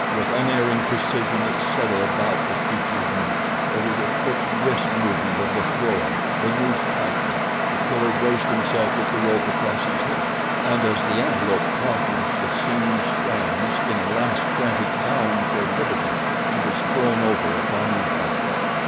With unerring precision it settled about the creature's neck. There was a quick wrist movement of the thrower, the noose tightened. The Killer braced himself with the rope across his hip, and as the antelope tautened the singing strands in a last frantic bound for liberty he was thrown over upon his back.